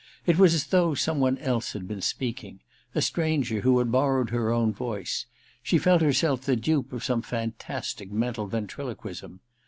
It was as though some one else had been speak ing — a stranger who had borrowed her own voice : she felt herself the dupe of some fantastic mental ventriloquism.